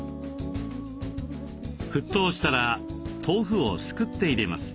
沸騰したら豆腐をすくって入れます。